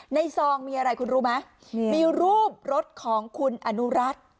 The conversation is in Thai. ซองมีอะไรคุณรู้ไหมมีรูปรถของคุณอนุรัติ